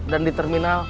dan di terminal